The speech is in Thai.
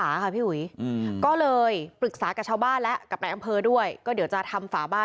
ดูแลกันเองครับ